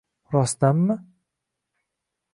Rostdanmi?